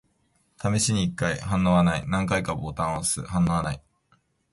試しに一回。反応はない。何回かボタンを押す。反応はない。